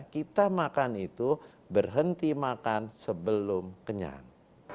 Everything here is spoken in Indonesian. kita makan itu berhenti makan sebelum kenyang